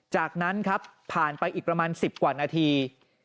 จากนั้นครับผ่านไปอีกประมาณ๑๐กว่านาที